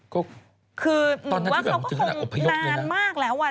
ก็คือหนูว่าเขาก็คงนานมากแล้วอ่ะ